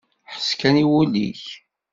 Ḥess kan i wul-ik!